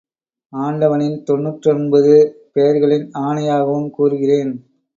ஆண்டவனின் தொண்ணுற்றொன்பது பெயர்களின் ஆணையாகவும் கூறுகிறேன்.